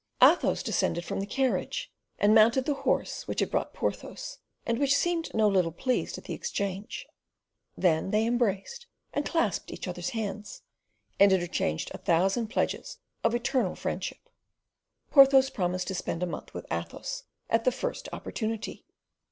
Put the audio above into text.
Athos descended from the carriage and mounted the horse which had brought Porthos, and which seemed no little pleased at the exchange. Then they embraced, and clasped each other's hands, and interchanged a thousand pledges of eternal friendship. Porthos promised to spend a month with Athos at the first opportunity.